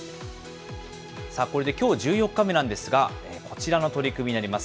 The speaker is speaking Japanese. これできょう１４日目なんですが、こちらの取組になります。